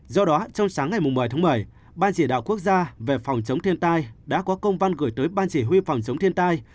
do đó trong sáng ngày một mươi tháng một mươi ban chỉ đạo quốc gia về phòng chống thiên tai đã có công văn gửi tới ban chỉ huy phòng chống thiên tai